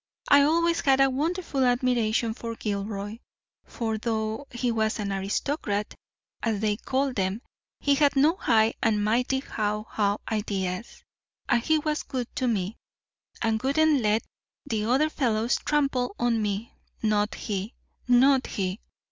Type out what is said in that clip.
I always had a wonderful admiration for Gilroy; for, though he was an aristocrat, as they call them, he had no high and mighty haw haw ideas, and he was good to me, and wouldn't let the other fellows trample on me—not he, not he.